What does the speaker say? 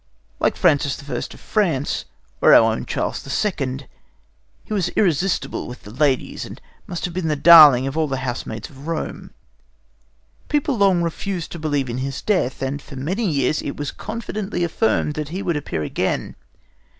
Like Francis I. of France, or our own Charles II., he was irresistible with the ladies, and must have been the darling of all the housemaids of Rome. People long refused to believe in his death, and for many years it was confidently affirmed that he would appear again.